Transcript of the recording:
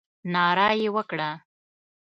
ناره یې وکړه.